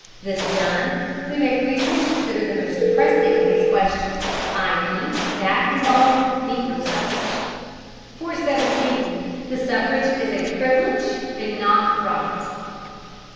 This done, we may briefly consider the most pressing of these questions, i.e. that involving Negro suffrage. 417. THE SUFFRAGE IS A PRIVILEGE AND NOT RIGHT.